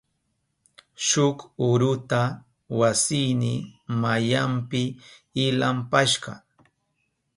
Shuk urata wasiyni mayanpi ilampashka.